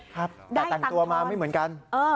ครับแต่แต่งตัวมาไม่เหมือนกัน